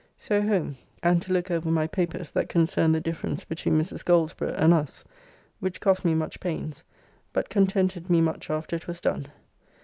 So home and to look over my papers that concern the difference between Mrs. Goldsborough and us; which cost me much pains, but contented me much after it was done.